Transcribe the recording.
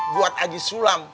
buat agi sulam